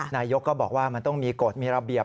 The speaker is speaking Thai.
นายกก็บอกว่ามันต้องมีกฎมีระเบียบ